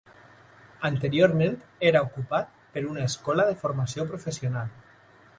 Anteriorment, era ocupat per una escola de formació professional.